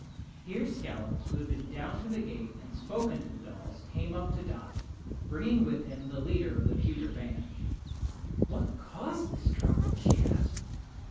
Here Scollops, who had been down to the gate and spoken to the dolls, came up to Dot, bringing with him the leader of the pewter band. "What caused this trouble?" she asked.